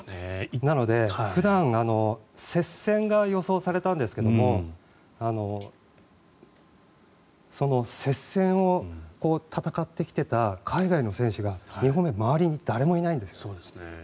なので、普段接戦が予想されたんですがその接戦を戦ってきていた海外の選手が２本目周りに誰もいないんです。